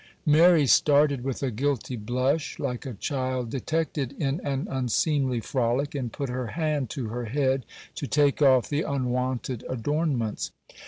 Mary started with a guilty blush, like a child detected in an unseemly frolic, and put her hand to her head to take off the unwonted adornments.